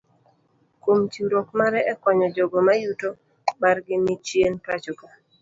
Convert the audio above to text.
Kuom chiwruok mare ekonyo jogoo mayuto margi ni chien pachoka